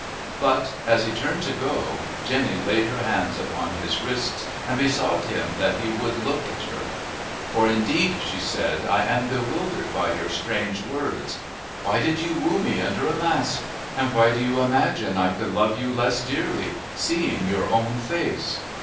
But, as he turned to go, Jenny laid her hands upon his wrists and besought him that he would look at her. "For indeed," she said, "I am bewildered by your strange words. Why did you woo me under a mask? And why do you imagine I could love you less dearly, seeing your own face?"